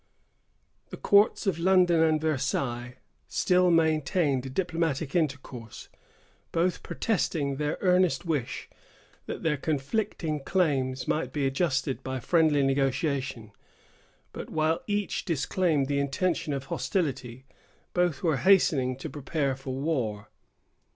The courts of London and Versailles still maintained a diplomatic intercourse, both protesting their earnest wish that their conflicting claims might be adjusted by friendly negotiation; but while each disclaimed the intention of hostility, both were hastening to prepare for war.